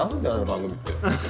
番組って。